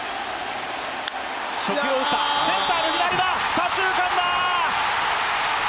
左中間だ！。